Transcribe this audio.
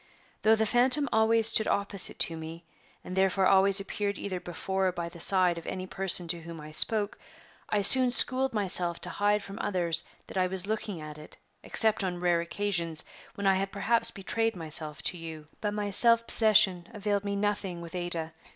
Though the phantom always stood opposite to me, and therefore always appeared either before or by the side of any person to whom I spoke, I soon schooled myself to hide from others that I was looking at it except on rare occasions, when I have perhaps betrayed myself to you. But my self possession availed me nothing with Ada.